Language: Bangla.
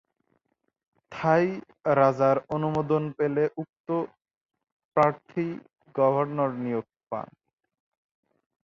থাই রাজার অনুমোদন পেলে উক্ত প্রার্থী গভর্নর নিয়োগ পান।